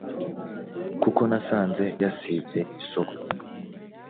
kuko nasanze yasibye isoko